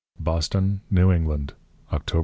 _Boston, New England, Octob.